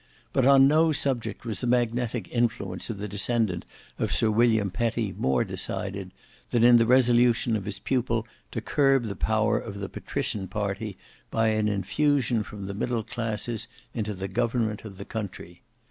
But on no subject was the magnetic influence of the descendant of Sir William Petty more decided, than in the resolution of his pupil to curb the power of the patrician party by an infusion from the middle classes into the government of the country.